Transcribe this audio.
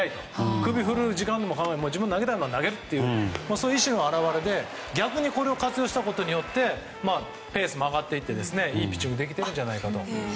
首を振る時間も自分で投げたい球を投げるという意思の表れで逆に、これを活用したことでペースも上がっていっていいピッチングができてるんじゃないかと。